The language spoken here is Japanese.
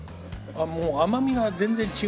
もう甘みが全然違うの。